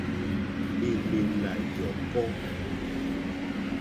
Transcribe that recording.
Èlèlà yɔ̀kɔ́.